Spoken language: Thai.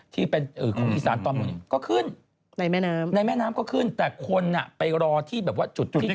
ที่เป็นของอีสานตอนบนก็ขึ้นในแม่น้ำในแม่น้ำก็ขึ้นแต่คนไปรอที่แบบว่าจุดที่